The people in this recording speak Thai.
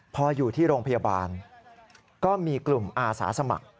พออยู่ที่โรงพยาบาลก็มีกลุ่มอาสาสมัคร